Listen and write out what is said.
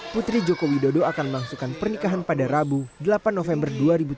putri joko widodo akan melangsungkan pernikahan pada rabu delapan november dua ribu tujuh belas